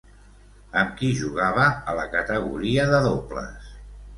Amb qui jugava a la categoria de dobles?